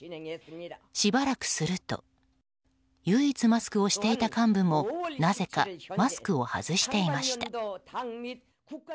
しばらくすると唯一マスクをしていた幹部もなぜかマスクを外していました。